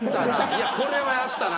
いやこれはやったな。